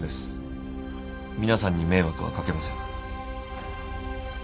皆さんに迷惑は掛けません。